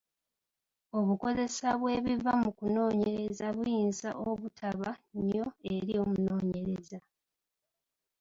Obukozesa bw’ebiva mu kunooneyereza buyinza obutaba nnyo eri omunoonyereza.